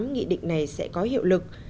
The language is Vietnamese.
nghị định này sẽ có hiệu lực